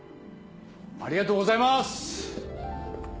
ありがとうございます！